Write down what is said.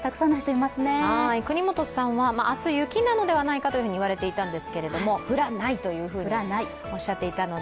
國本さんは明日、雪なのではないかと言われていたんですが、降らないとおっしゃっていたので